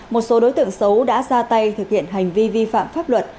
một số đối tượng xấu đã ra tay thực hiện hành vi vi phạm pháp luật